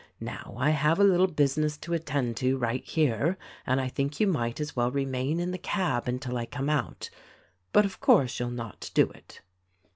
Now, I have a little business to attend to right here, and I think you might as well remain in the cab until I come out ; but, of course, you'll not do it."